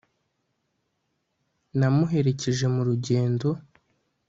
Namuherekeje mu rugendo